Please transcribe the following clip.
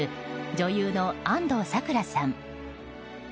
女優の安藤サクラさん。